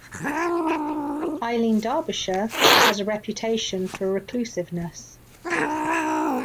Eileen Derbyshire has a reputation for reclusiveness.